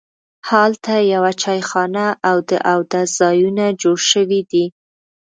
هلته یوه چایخانه او د اودس ځایونه جوړ شوي دي.